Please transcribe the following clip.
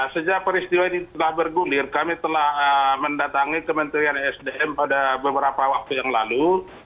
sejak peristiwa ini telah bergulir kami telah mendatangi kementerian sdm pada beberapa waktu yang lalu